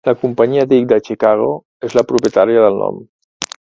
La Companyia Dick de Chicago és la propietària del nom.